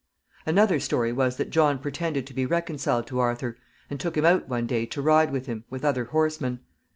Another story was that John pretended to be reconciled to Arthur, and took him out one day to ride with him, with other horsemen.